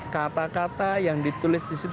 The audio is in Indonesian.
kata kata yang ditulis di situ